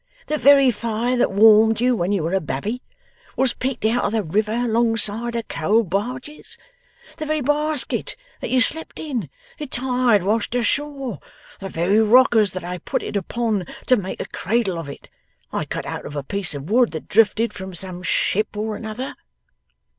The very fire that warmed you when you were a babby, was picked out of the river alongside the coal barges. The very basket that you slept in, the tide washed ashore. The very rockers that I put it upon to make a cradle of it, I cut out of a piece of wood that drifted from some ship or another.